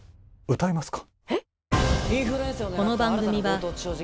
歌いますか？